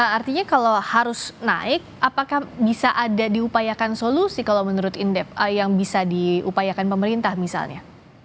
artinya kalau harus naik apakah bisa ada diupayakan solusi kalau menurut indef yang bisa diupayakan pemerintah misalnya